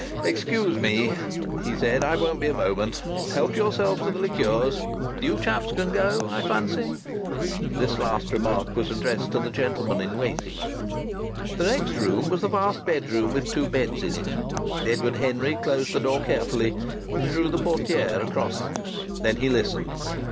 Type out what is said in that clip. "Excuse me," he said. "I won't be a moment. Help yourselves to the liqueurs. You chaps can go, I fancy." The last remark was addressed to the gentlemen in waiting. The next room was the vast bedroom with two beds in it. Edward Henry closed the door carefully, and drew the portière across it. Then he listened.